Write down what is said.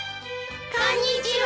こんにちは。